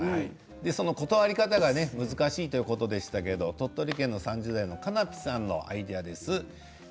断り方が難しいという方ですが鳥取県３０代の方のアイデアです。